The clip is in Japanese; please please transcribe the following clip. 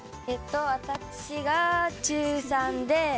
私が中３で。